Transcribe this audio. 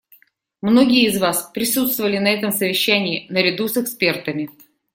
Многие из вас присутствовали на этом совещании наряду с экспертами.